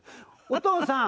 「お父さん！」